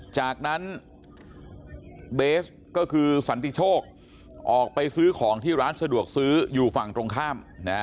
จากนั้นเบสก็คือสันติโชคออกไปซื้อของที่ร้านสะดวกซื้ออยู่ฝั่งตรงข้าม